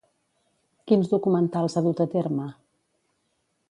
Quins documentals ha dut a terme?